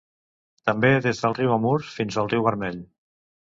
També des del riu Amur fins al riu Vermell.